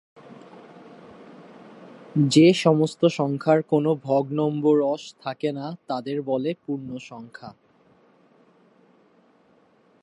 যেসমস্ত সংখ্যার কোন ভগ্নম্বরশ থাকে না তাদের বলে পূর্ণসংখ্যা।